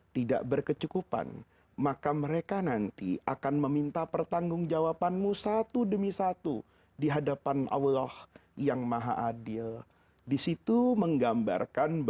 tidak bisa tidur